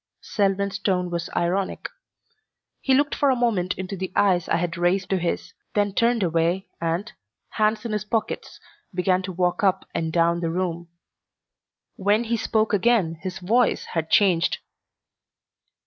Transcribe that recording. Selwyn's tone was ironic. He looked for a moment into the eyes I raised to his, then turned away and, hands in his pockets, began to walk up and down the room. When he spoke again his voice had changed.